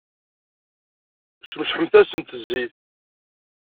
Smecḥemt-asent zzit!